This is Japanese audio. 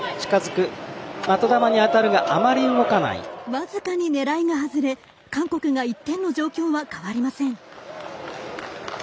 僅かに狙いが外れ韓国が１点の状況は変わりません。